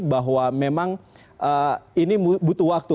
bahwa memang ini butuh waktu